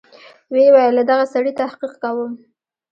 ويې ويل له دغه سړي تحقيق کوم.